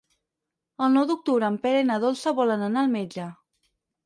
El nou d'octubre en Pere i na Dolça volen anar al metge.